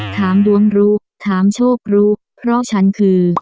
ถามดวงรู้ถามโชครู้เพราะฉันคือ